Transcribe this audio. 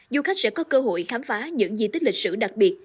du khách sẽ có cơ hội khám phá những di tích lịch sử đặc biệt